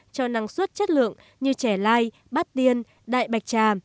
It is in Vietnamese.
cho năng suất chất lượng như trè lai bát điên đại bạch trà